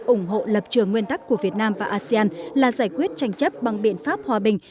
ủng hộ lập trường nguyên tắc của việt nam và asean là giải quyết tranh chấp bằng biện pháp hòa bình